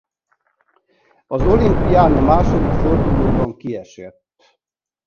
Az olimpián a második fordulóban kiesett.